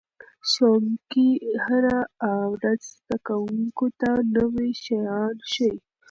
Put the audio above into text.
ښوونکي هره ورځ زده کوونکو ته نوي شیان ښيي.